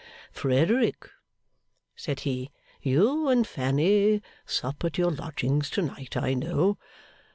'Frederick,' said he, 'you and Fanny sup at your lodgings to night, I know.